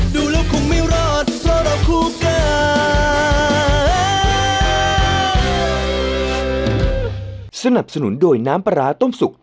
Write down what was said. ดูแล้วคงไม่รอดเพราะเราคู่กัน